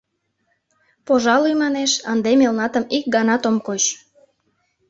Пожалуй, манеш, ынде мелнатым ик ганат ом коч.